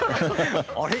「あれ？